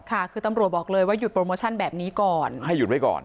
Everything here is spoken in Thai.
ค่ะคือตำรวจบอกเลยว่าหยุดโปรโมชั่นแบบนี้ก่อน